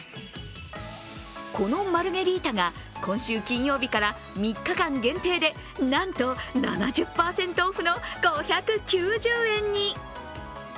このマルゲリータが今週金曜日から３日間限定でなんと７０％オフの５９０円に。